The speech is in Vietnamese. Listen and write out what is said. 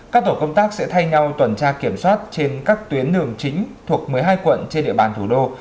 các tổ công tác sẽ thay nhau tuần tra kiểm soát trên các tuyến đường chính thuộc một mươi hai quận trên địa bàn thủ đô